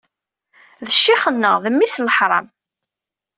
D ccix-nneɣ d mmi-s n leḥram.